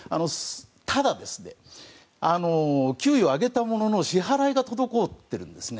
ただ、給与を上げたものの支払いが滞っているんですね。